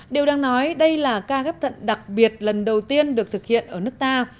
điều đang nói đây là ca ghép thận đặc biệt lần đầu tiên được thực hiện ở nước ta